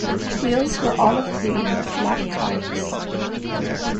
Wheels were olive-green with black tyres.